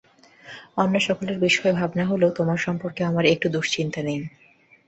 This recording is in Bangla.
অন্য সকলের বিষয়ে ভাবনা হলেও তোমার সম্পর্কে আমার একটুও দুশ্চিন্তা নেই।